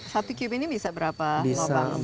satu kiev ini bisa berapa lubang